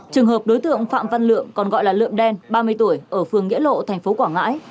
trường hợp đối tượng phạm văn lượng còn gọi là lượng đen ba mươi tuổi ở phường nghĩa lộ thành phố quảng ngãi